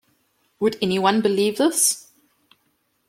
Would any one believe this?